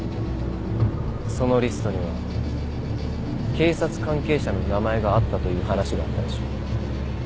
そのリストには警察関係者の名前があったという話があったらしい。